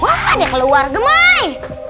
wah dia keluar gemoy